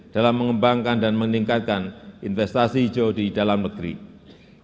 dalam mengembangkan dan meningkatkan investasi hijau di indonesia